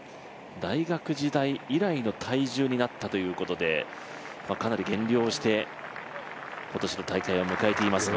大学時代以来の体重になったということで、かなり減量して今年の大会を迎えていますが。